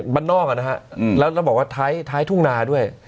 บ้านนอกนะฮะแล้วบอกว่าท้ายทุ่งนาด้วย